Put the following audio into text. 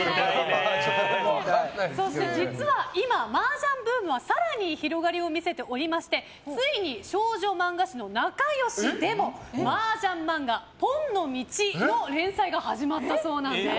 そして実は今マージャンブームは更に広がりを見せておりましてついに少女漫画誌の「なかよし」でもマージャン漫画「ぽんのみち」の連載が始まったそうなんです。